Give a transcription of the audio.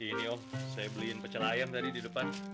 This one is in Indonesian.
ini oh saya beliin pecel ayam tadi di depan